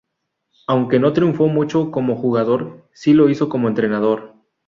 Aunque no triunfó mucho como jugador, sí lo hizo como entrenador.